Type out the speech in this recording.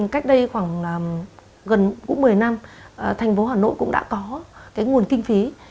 cách đây khoảng gần cũng một mươi năm thành phố hà nội cũng đã có cái nguồn kinh phí